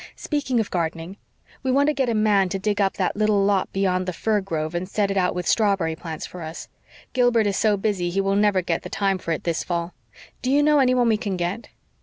Speaking of gardening, we want to get a man to dig up that little lot beyond the fir grove and set it out with strawberry plants for us. Gilbert is so busy he will never get time for it this fall. Do you know anyone we can get?"